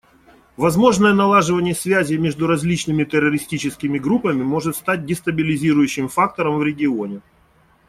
Возможное налаживание связей между различными террористическими группами может стать дестабилизирующим фактором в регионе.